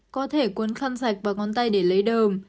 có thể cuốn khăn sạch và ngón tay để lấy đờm